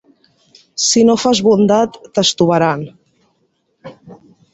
Si no fas bondat, t'estovaran.